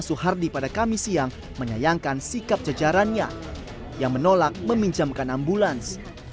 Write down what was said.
suhardi pada kamis siang menyayangkan sikap jajarannya yang menolak meminjamkan ambulans